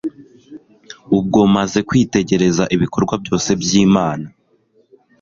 ubwo maze kwitegereza ibikorwa byose by'imana